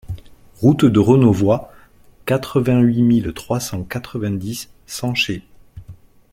Route de Renauvoid, quatre-vingt-huit mille trois cent quatre-vingt-dix Sanchey